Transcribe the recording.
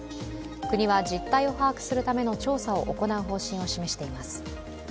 国は実態を把握するための調査を行う方針を示しています。